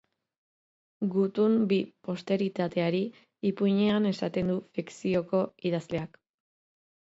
Gutun bi posteritateari, ipuinean esaten du fikzioko idazleak.